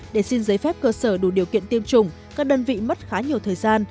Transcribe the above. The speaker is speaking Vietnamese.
để xin giấy phép cơ sở đủ điều kiện tiêm chủng các đơn vị mất khá nhiều thời gian